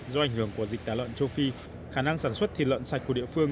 do ảnh hưởng của dịch tả lợn châu phi khả năng sản xuất thịt lợn sạch của địa phương